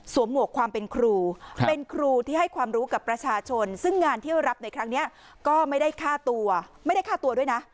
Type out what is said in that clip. หมวกความเป็นครูเป็นครูที่ให้ความรู้กับประชาชนซึ่งงานที่รับในครั้งนี้ก็ไม่ได้ฆ่าตัวไม่ได้ฆ่าตัวด้วยนะ